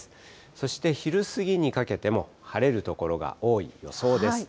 そして昼過ぎにかけても、晴れる所が多い予想です。